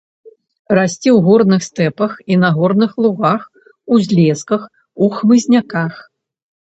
Расце ў горных стэпах і на горных лугах, узлесках, у хмызняках.